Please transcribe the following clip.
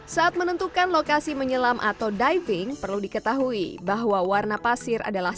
saat menentukan lokasi menyelam atau diving perlu diketahui bahwa warna pasir adalah